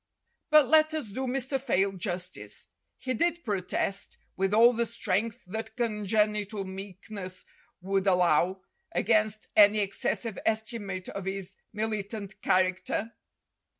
But let us do Mr. Fayle justice. He did protest, with all the strength that congenital meek ness would allow, against any excessive estimate of his militant character.